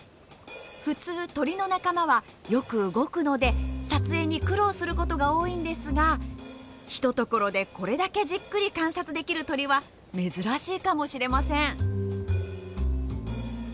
普通鳥の仲間はよく動くので撮影に苦労する事が多いんですが一ところでこれだけじっくり観察できる鳥は珍しいかもしれません。